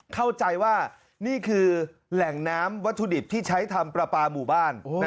เข้าใจว่านี่คือแหล่งน้ำวัตถุดิบที่ใช้ทำปลาปลาหมู่บ้าน